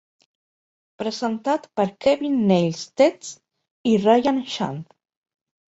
Presentat per Kevin Neils Tetz i Ryan Shand.